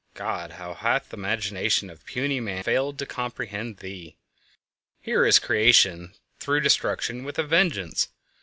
God, how hath the imagination of puny man failed to comprehend Thee! Here is creation through destruction with a vengeance!